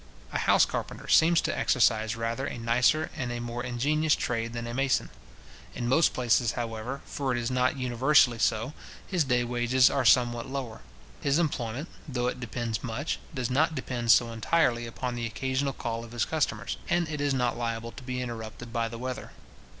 A house carpenter seems to exercise rather a nicer and a more ingenious trade than a mason. In most places, however, for it is not universally so, his day wages are somewhat lower. His employment, though it depends much, does not depend so entirely upon the occasional calls of his customers; and it is not liable to be interrupted by the weather.